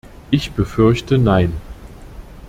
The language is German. Ich befürchte nein.